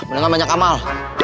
jangan banyak amal